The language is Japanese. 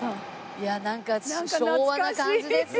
いやなんか昭和な感じですね。